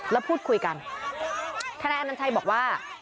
แล้วพูดคุยกันทนายอนัญชัยบอกว่า